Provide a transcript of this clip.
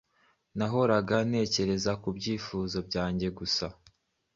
Nahoraga ntekereza ku byifuzo byanjye gusa,